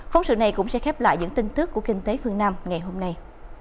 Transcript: phóng sự này cũng sẽ khép lại những tin tức của kinh tế phương nam ngày hôm nay